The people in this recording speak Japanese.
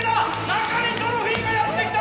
中にトロフィーがやって来た！